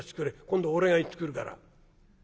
今度俺が行ってくるから。